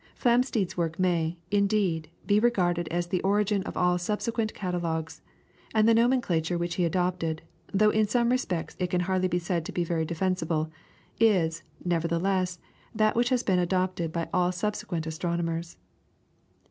Flamsteed's work may, indeed, be regarded as the origin of all subsequent catalogues, and the nomenclature which he adopted, though in some respects it can hardly be said to be very defensible, is, nevertheless, that which has been adopted by all subsequent astronomers.